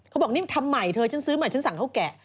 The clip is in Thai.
เขาบอกนี่ทำใหม่เธอฉันซื้อใหม่ฉันสั่งข้าวแกะ